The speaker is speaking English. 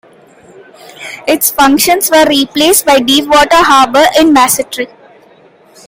Its functions were replaced by Deep Water Harbour in Basseterre.